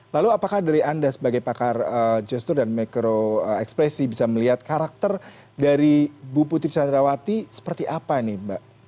lalu apakah dari anda sebagai pakar gestur dan mikro ekspresi bisa melihat karakter dari bu putri candrawati seperti apa nih mbak